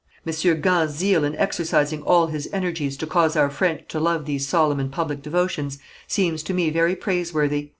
Monsieur Gand's zeal in exercising all his energies to cause our French to love these solemn and public devotions, seems to me very praiseworthy.